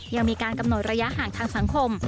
ยังมีการกำหนดระยะห่างทางสังคม